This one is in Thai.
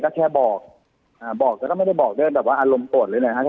ก็แค่บอกบอกก็ไม่ได้บอกเรื่องอารมณ์โปรดหรืออะไรครับ